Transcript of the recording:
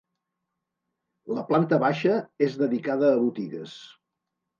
La planta baixa és dedicada a botigues.